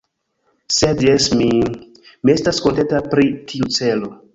Sed, jes, mi... mi estas kontenta pri tiu celo.